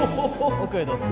奥へどうぞ。